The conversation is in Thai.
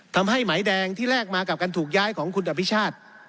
ทำให้หมายแดงที่แลกมากับการถูกย้ายของคุณอภิชาติ